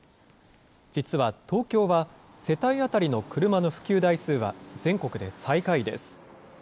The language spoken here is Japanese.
実は東京は、世帯当たりの車の普及台数は全国で最下位です。